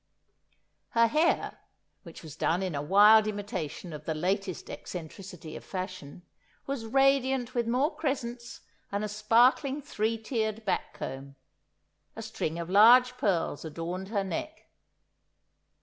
Her hair, which was done in a wild imitation of the latest eccentricity of fashion, was radiant with more crescents and a sparkling three tiered back comb. A string of large pearls adorned her neck.